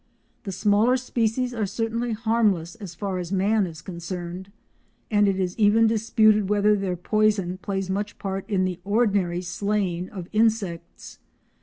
The smaller species are certainly harmless as far as man is concerned, and it is even disputed whether their poison plays much part in the ordinary slaying of insects.